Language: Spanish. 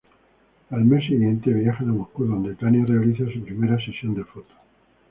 Al mes siguiente viajan a Moscú donde Tania realiza su primera sesión de fotos.